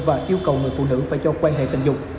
và yêu cầu người phụ nữ phải cho quan hệ tình dục